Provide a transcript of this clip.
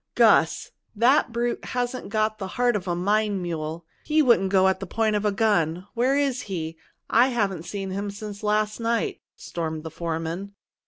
"Gus! That brute hasn't got the heart of a mine mule! He wouldn't go at the point of a gun! Where is he? I haven't seen him since last night," stormed the foreman.